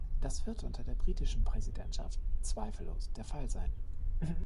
Das wird unter der britischen Präsidentschaft zweifellos der Fall sein.